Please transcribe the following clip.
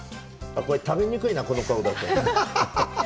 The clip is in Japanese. これ、食べにくいな、この顔だと。